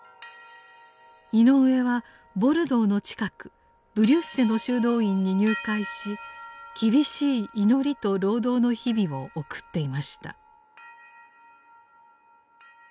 井上はボルドーの近くブリュッセの修道院に入会し厳しい祈りと労働の日々を送っていました。